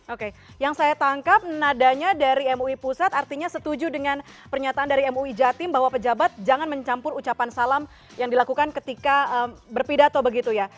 oke yang saya tangkap nadanya dari mui pusat artinya setuju dengan pernyataan dari mui jatim bahwa pejabat jangan mencampur ucapan salam yang dilakukan ketika berpidato begitu ya